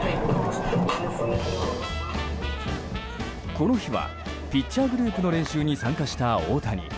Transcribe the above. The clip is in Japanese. この日はピッチャーグループの練習に参加した大谷。